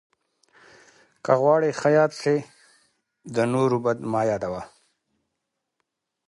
که غواړې ښه یاد سې، د نور بد مه یاد وه.